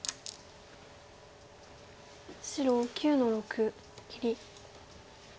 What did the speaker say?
白９の六切り。